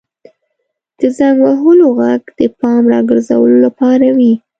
• د زنګ وهلو ږغ د پام راګرځولو لپاره وي.